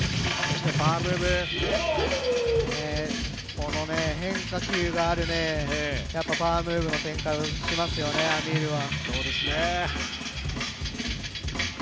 この変化球があるパワームーブの展開をしますよね、Ａｍｉｒは。